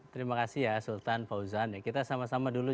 terima kasih ya sultan fauzan ya kita sama sama dulu